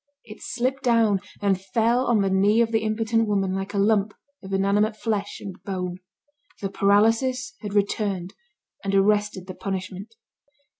It slipped down and fell on the knee of the impotent woman like a lump of inanimate flesh and bone. The paralysis had returned and arrested the punishment.